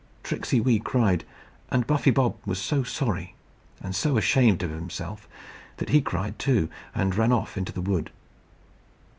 Tricksey Wee cried; and Buffy Bob was so sorry and so ashamed of himself that he cried too, and ran off into the wood.